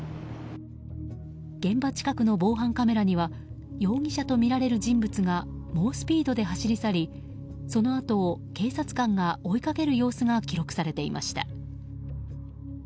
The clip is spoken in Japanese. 現場近くの防犯カメラには容疑者とみられる人物が猛スピードで走り去りそのあとを警察官が追いかける様子が記録されていました。